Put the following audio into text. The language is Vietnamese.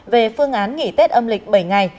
về phương án nghỉ tết âm lịch bảy ngày